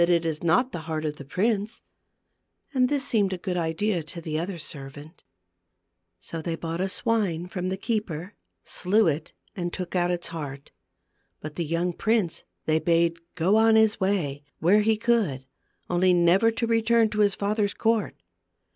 263 it is not the heart of the prince," and this seemed a good idea to the other servant. So they bought a swine from the keeper, slew it, and took out its heart. But the young prince they bade go On his way, where he would ; only never to return to his father's court.